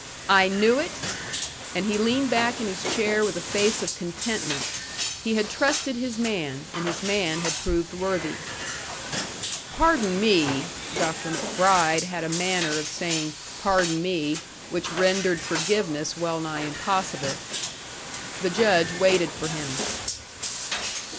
"I knew it!" And he leaned back in his chair with a face of contentment. He had trusted his man, and his man had proved worthy. "Pardon me." Dr. MacBride had a manner of saying "pardon me," which rendered forgiveness well nigh impossible. The Judge waited for him.